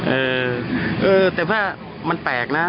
เออเออแต่ว่ามันแปลกนะ